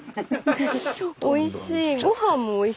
おいしい。